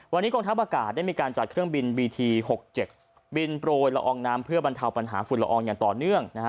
วันนี้กองทัพอากาศได้มีการจัดเครื่องบินบีที๖๗บินโปรยละอองน้ำเพื่อบรรเทาปัญหาฝุ่นละอองอย่างต่อเนื่องนะฮะ